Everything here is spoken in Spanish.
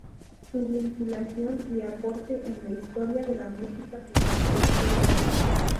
Su vinculación y aporte en la historia de la música peruana fue grande.